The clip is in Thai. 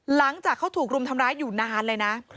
หลังจากเขาถูกรุมทำร้ายอยู่นานเลยนะ